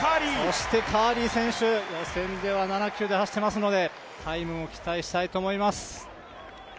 そしてカーリー選手予選では７９で走ってますのでタイムも期待したいと思います。